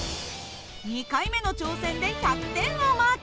２回目の挑戦で１００点をマーク。